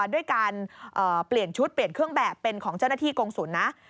ด้วยการเปลี่ยนชุดเปลี่ยนเครื่องแบบเป็นของเจ้าหน้าที่กงศูนย์นะ